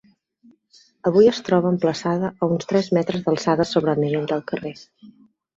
Avui es troba emplaçada a uns tres metres d'alçada sobre el nivell del carrer.